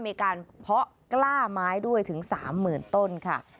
อเมริการเพาะกล้าไม้ด้วยถึงสามหมื่นต้นค่ะ